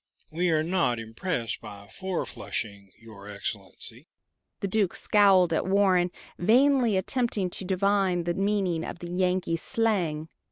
We are not impressed by 'four flushing,' your Excellency!" The Duke scowled at Warren, vainly attempting to divine the meaning of the Yankee slang.